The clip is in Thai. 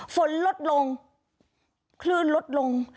ฝนลดลงคลื่นลดลง